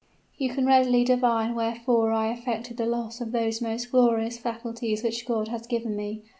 "You can readily divine wherefore I affected the loss of those most glorious faculties which God has given me.